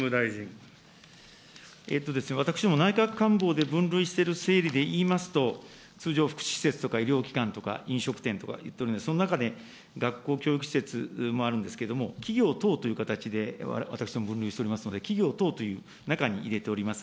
私ども、内閣官房で分類している整理でいいますと、通常、福祉施設とか、医療機関とか、飲食店とか、その中で学校教育施設もあるんですけれども、企業等という形で私ども分類しておりますので、企業等という中に入れております。